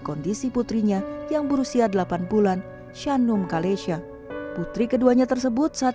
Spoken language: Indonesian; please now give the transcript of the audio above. kondisi putrinya yang berusia delapan bulan shanum kalesya putri keduanya tersebut saat